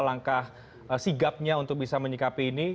langkah sigapnya untuk bisa menyikapi ini